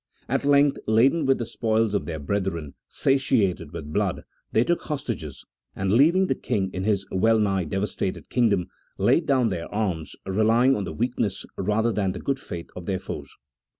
At length, laden with the spoils of their brethren, satiated with blood, they took hostages, and leaving the king in his well nigh devastated kingdom, laid down their arms, relying on the weakness rather than the good faith of their foes.